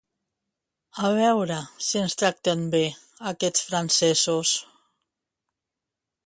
A veure si ens tracten bé aquests francesos!